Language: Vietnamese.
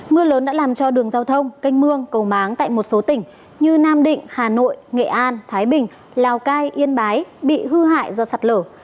mưa lớn đã làm cho đường giao thông canh mương cầu máng tại một số tỉnh như nam định hà nội nghệ an thái bình lào cai yên bái bị hư hại do sạt lở